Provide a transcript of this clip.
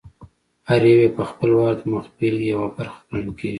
هر یو یې په خپل وار د مخبېلګې یوه برخه ګڼل کېږي.